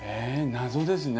謎ですね。